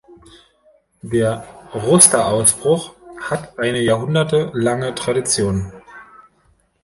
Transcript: Der Ruster Ausbruch hat eine jahrhundertelange Tradition.